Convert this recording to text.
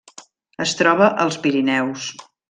Es troba als Pirineus.